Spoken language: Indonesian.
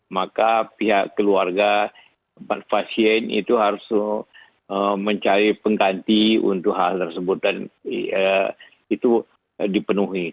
maka pihak keluarga empat pasien itu harus mencari pengganti untuk hal tersebut dan itu dipenuhi